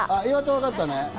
わかったね。